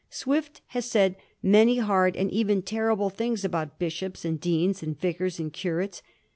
Swift has said many hard and even terrible things about bish ops and deans, and vicars and curates.